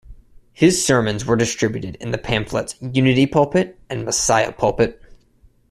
His sermons were distributed in the pamphlets "Unity Pulpit" and "Messiah Pulpit".